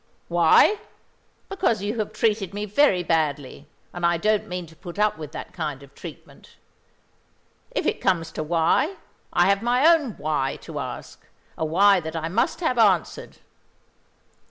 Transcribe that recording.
"Why? Because you have treated me very badly, and I don't mean to put up with that kind of treatment. If it comes to why, I have my own 'why' to ask a why that I must have answered.